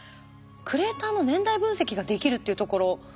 クレーターの年代分析ができるっていうところ。